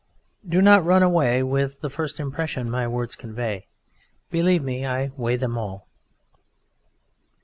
Do not run away with the first impression my words convey. Believe me, I weigh them all.